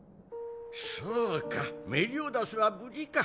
そうかメリオダスは無事か。